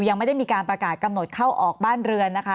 ยังไม่ได้มีการประกาศกำหนดเข้าออกบ้านเรือนนะคะ